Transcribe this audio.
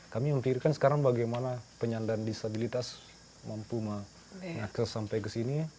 kami mempirikan sekarang bagaimana penyandang disabilitas mampu mengakses sampai ke sini